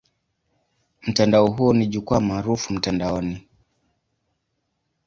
Mtandao huo ni jukwaa maarufu mtandaoni.